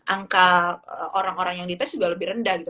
angka orang orang yang dites juga lebih rendah gitu